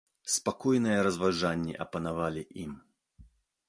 Спакойныя разважанні апанавалі ім.